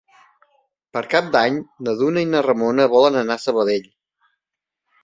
Per Cap d'Any na Duna i na Ramona volen anar a Sabadell.